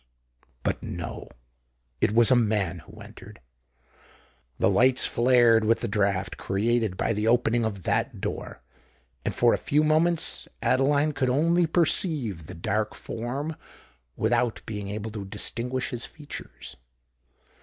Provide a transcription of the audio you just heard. But—no: it was a man who entered. The lights flared with the draught created by the opening of that door; and for a few moments Adeline could only perceive the dark form, without being able to distinguish his features.